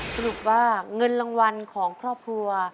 สรุปว่าเงินรางวัลของครอบครัว